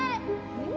うん。